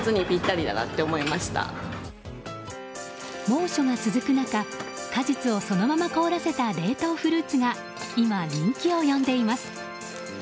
猛暑が続く中果実をそのまま凍らせた冷凍フルーツが今、人気を呼んでいます。